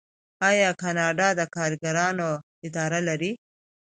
آیا کاناډا د کارګرانو اداره نلري؟